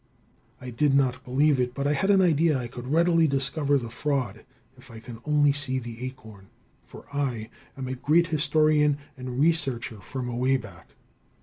I did not believe it, but I had an idea I could readily discover the fraud if I could only see the acorn, for I am a great historian and researcher from away back.